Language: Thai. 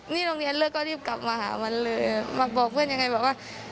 นี่โรงเรียนเลิกก็รีบกลับมาหามันเลยมาบอกเพื่อนยังไงบอกว่า